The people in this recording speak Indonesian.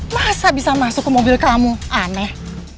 masa bisa masuk ke mobil kamu aneh